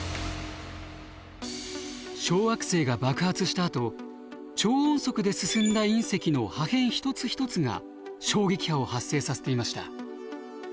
小惑星が爆発したあと超音速で進んだ隕石の破片一つ一つが衝撃波を発生させていました。